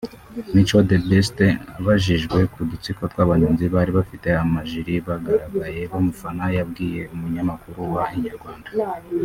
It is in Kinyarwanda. Mico The Best abajijwe ku dutsiko tw’abanyonzi bari bafite amajiri bagaragaye bamufana yabwiye umunyamakuru wa Inyarwanda